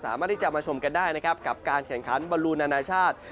สามารถที่จะมาชมกันได้นะครับกับการแข่งขันบอลลูนานาชาติ